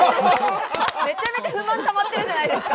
めちゃめちゃ不満たまってるじゃないですか！